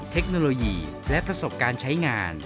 เทคโนโลยีและประสบการณ์ใช้งาน